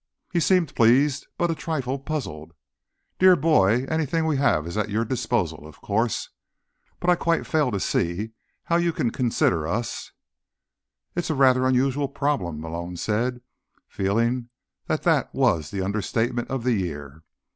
He seemed pleased, but a trifle puzzled. "Dear boy, anything we have is at your disposal, of course. But I quite fail to see how you can consider us—" "It's rather an unusual problem," Malone said, feeling that that was the understatement of the year.